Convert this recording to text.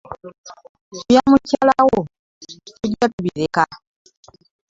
Ebya mukayala wo tugira tubireka.